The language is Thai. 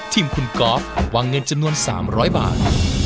ทีมคุณกอล์ฟวางเงินจำนวน๓๐๐บาท